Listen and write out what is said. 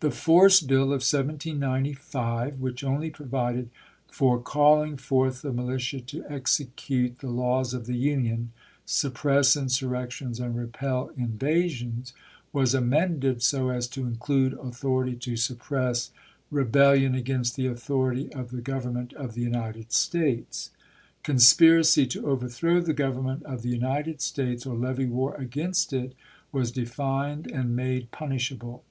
The force bill of 1795, which only provided " for calHng forth the militia to execute the laws of the Union, suppress insurrections, and repel invasions," was amended so as to include authority to suppress "rebellion against the authority of the Govern ibid.,p.3i. ment of the United States." Conspiracy to over throw the G overnment of the United States or levy war against it was defined and made punish able.